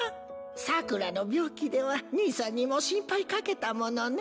サクラの病気では兄さんにも心配かけたものねぇ。